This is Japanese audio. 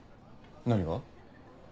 何が？